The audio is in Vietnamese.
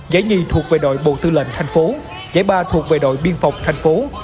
giải nhì thuộc về đội bộ tư lệnh thành phố giải ba thuộc về đội biên phòng thành phố